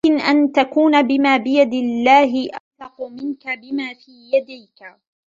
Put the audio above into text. وَلَكِنْ أَنْ تَكُونَ بِمَا بِيَدِ اللَّهِ أَوْثَقُ مِنْك بِمَا فِي يَدِيك